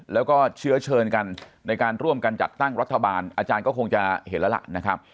แล้วก็เชื้อเชิญกันในการร่วมกันจัดตั้งรัฐบาลอาจารย์ก็คงจะเห็นแล้วล่ะนะครับ